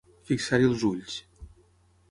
Fixar-hi els ulls.